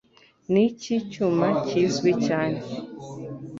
Niki cyuma kizwi cyane?